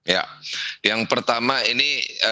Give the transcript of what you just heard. ya yang pertama ini